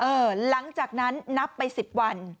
หลังจากนั้นนับไป๑๐วัน